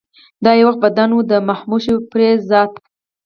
دا یو وخت بدن و د مهوشه پرې ذاته